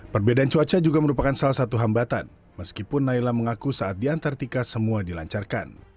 perbedaan cuaca juga merupakan salah satu hambatan meskipun naila mengaku saat di antartika semua dilancarkan